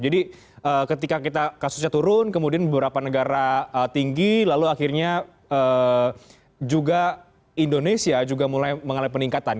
jadi ketika kasusnya turun kemudian beberapa negara tinggi lalu akhirnya juga indonesia juga mulai mengalami peningkatan